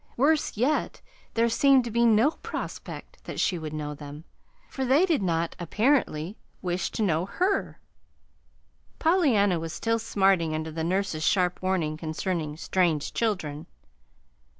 Worse yet, there seemed to be no prospect that she would know them, for they did not, apparently, wish to know her: Pollyanna was still smarting under the nurse's sharp warning concerning "strange children."